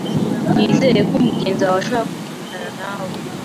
Nizere ko mugenzi wanjye ashobora kumvikana nawe.